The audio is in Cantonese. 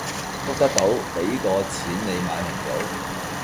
捉得到，俾個錢你買紅棗